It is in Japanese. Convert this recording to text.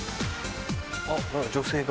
あっ女性が。